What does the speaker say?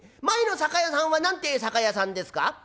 前の酒屋さんは何てえ酒屋さんですか？」。